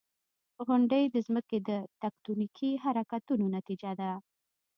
• غونډۍ د ځمکې د تکتونیکي حرکتونو نتیجه ده.